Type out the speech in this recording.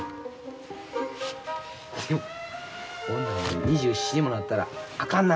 女も２４にもなったらあかんな。